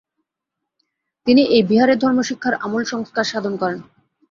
তিনি এই বিহারে ধর্মশিক্ষার আমূল সংস্কার সাধন করেন।